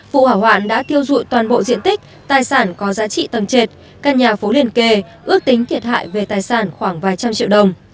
vụ hỏa hoạn đã thiêu dụi toàn bộ diện tích tài sản có giá trị tầng trệt căn nhà phố liền kề ước tính thiệt hại về tài sản khoảng vài trăm triệu đồng